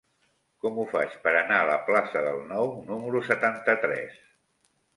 Com ho faig per anar a la plaça del Nou número setanta-tres?